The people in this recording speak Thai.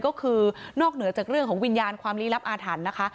ก็คือนอกเหนือจากเรื่องของวิญญาณความลี้ลับอาถรรพ์นะคะ